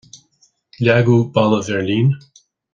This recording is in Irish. Leagadh Balla Bheirlín.